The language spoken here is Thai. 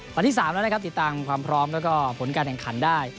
วันที่๓แล้วนะครับติดตามความพร้อมแล้วก็ผลการแข่งขันได้